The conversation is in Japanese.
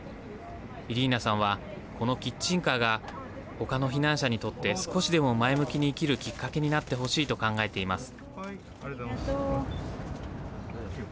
イリーナさんはこのキッチンカーが他の避難者にとって少しでも前向きに生きるきっかけになってほしいと考えています。